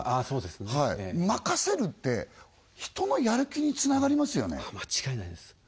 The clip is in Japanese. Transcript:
そうですねはい任せるって人のやる気につながりますよね間違いないです